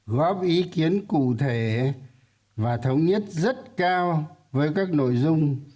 góp ý kiến cụ thể và thống nhất rất cao với các nội dung